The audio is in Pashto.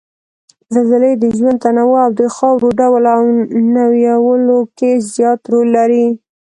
زلزلې د ژوند تنوع او د خاورو ډول او نويولو کې زیات رول لري